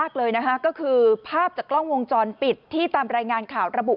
ครับก็หายังไงบ้างไหมครับ